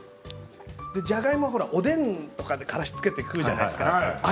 じゃがいもは、ほらおでんとかにからしをつけて食うじゃないですか。